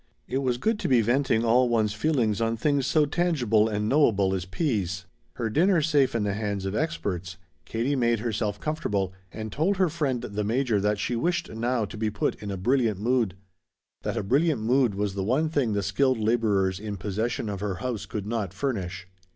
It was good to be venting all one's feeling on things so tangible and knowable as sweet peas. Her dinner safe in the hands of experts, Katie made herself comfortable and told her friend the Major that she wished now to be put in a brilliant mood. That a brilliant mood was the one thing the skilled laborers in possession of her house could not furnish.